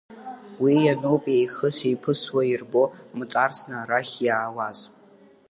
Уи иануп еихьыс-еиԥысуа, ирбо мҵарсны арахь иаауаз.